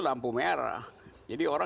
lampu merah jadi orang